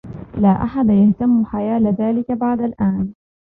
لا أحد يهتم حيال ذلك بعد الآن.